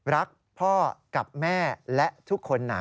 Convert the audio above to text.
รักพ่อกับแม่และทุกคนหนา